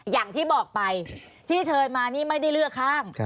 อย่างที่บอกไปที่เชิญมานี่ไม่ได้เลือกข้าง